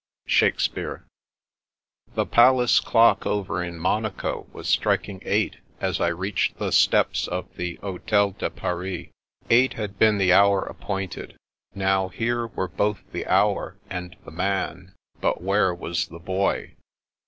— Shaksspkakb, The palace clock over in Monaco was striking eight as I reached the steps of the Hotel de Paris. Eight had been the hour appointed. Now, here were both the Hour and the Man: but where was the Boy?